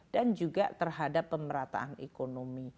dan juga terhadap pemerataan ekonomi